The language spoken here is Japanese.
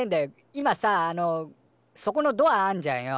今さああのそこのドアあんじゃんよ。